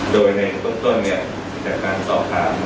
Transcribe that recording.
โดยในต้นจากการสอบถาม